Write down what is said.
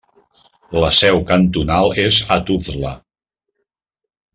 La seu cantonal és a Tuzla.